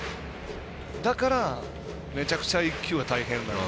だから、めちゃくちゃ１球が大変なので。